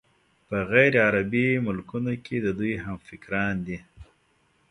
په غیرعربي ملکونو کې د دوی همفکران دي.